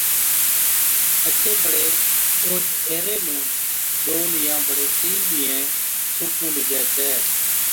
پڇي بڙي اوهچ ايهري نُون ڏون يان بڙي تِين ڏِينهين سُوڪُون ڏِجَي ڇَي،